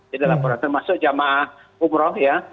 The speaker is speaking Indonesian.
jadi laporan termasuk jamaah umroh ya